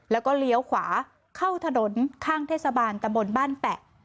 แล้วก็เลี้ยวขวาเข้าถนนข้างเทศบาลตำบลบ้านแปะ